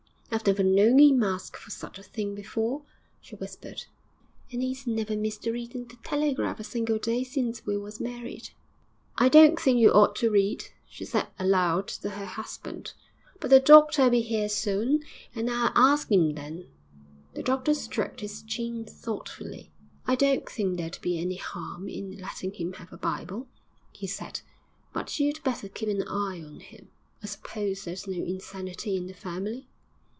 'I've never known 'im ask for such a thing before,' she whispered, 'and 'e's never missed reading the Telegraph a single day since we was married.' 'I don't think you ought to read,' she said aloud to her husband. 'But the doctor'll be here soon, and I'll ask 'im then.' The doctor stroked his chin thoughtfully. 'I don't think there'd be any harm in letting him have a Bible,' he said, 'but you'd better keep an eye on him.... I suppose there's no insanity in the family?'